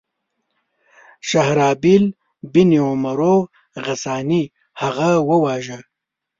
شهرابیل بن عمرو غساني هغه وواژه.